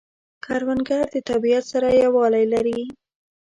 کروندګر د طبیعت سره یووالی لري